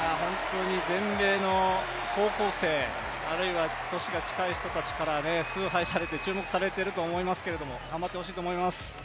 全米の高校生、あるいは歳が近い日とから崇拝されて注目されていると思いますけれども、頑張ってほしいと思います。